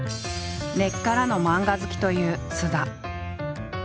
根っからの漫画好きという菅田。